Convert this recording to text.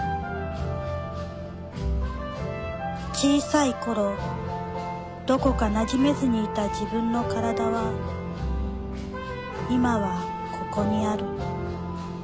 小さい頃どこかなじめずにいた自分の身体は今はここにある。